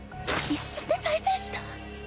一瞬で再生した！？